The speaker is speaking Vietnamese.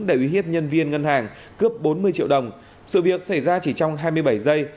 để uy hiếp nhân viên ngân hàng cướp bốn mươi triệu đồng sự việc xảy ra chỉ trong hai mươi bảy giây